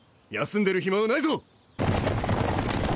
休んでる暇はないぞ！